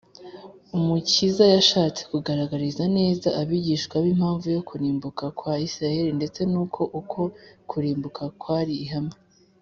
umukiza yashatse kugaragariza neza abigishwa be impamvu yo kurimbuka kwa isirayeli ndetse n’uko uko kurimbuka kwari ihame